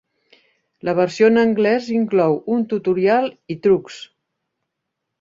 La versió en anglès inclou un tutorial i trucs.